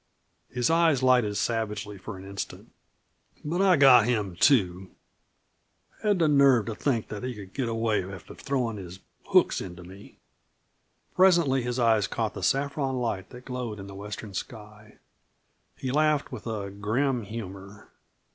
His eyes lighted savagely for an instant. "But I got him, too. Had the nerve to think that he could get away after throwin' his hooks into me." Presently his eyes caught the saffron light that glowed in the western sky. He laughed with a grim humor.